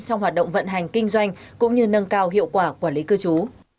trong hoạt động vận hành kinh doanh cũng như nâng cao hiệu quả quản lý cư trú